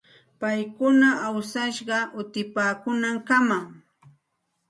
Paykuna awsashqa utipaakuunankamam.